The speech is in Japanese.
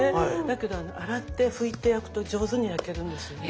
だけど洗って拭いて焼くと上手に焼けるんですよね。